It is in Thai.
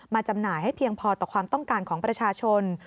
จำหน่ายให้เพียงพอต่อความต้องการของประชาชน